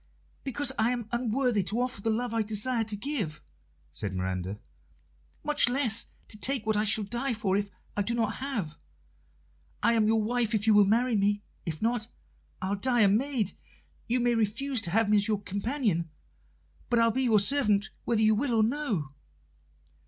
"Because I am unworthy to offer the love I desire to give," said Miranda, "much less to take what I shall die for if I do not have. I am your wife if you will marry me; if not, I'll die a maid. You may refuse to have me as your companion, but I'll be your servant, whether you will or no."